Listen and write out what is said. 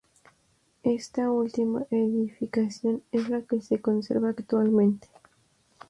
Esta última edificación es la que se conserva actualmente.